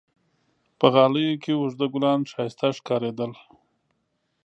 په غالیو کې اوږده ګلان ښایسته ښکارېدل.